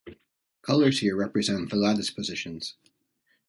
Colors here represent the lattice positions.